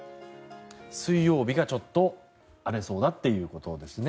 水曜日がちょっと荒れそうだということですね。